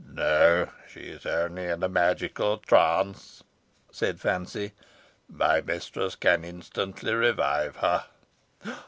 "No; she is only in a magical trance," said Fancy; "my mistress can instantly revive her."